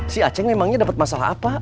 si aceng emangnya dapet masalah apa